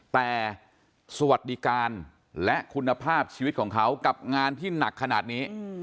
แต่สวัสดิการและคุณภาพชีวิตของเขากับงานที่หนักขนาดนี้